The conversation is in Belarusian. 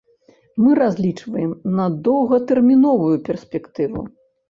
Мы разлічваем на доўгатэрміновую перспектыву.